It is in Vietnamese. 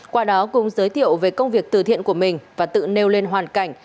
qua đó cùng giới thiệu về công việc từ thiện của mình và tự nêu lên hoàn cảnh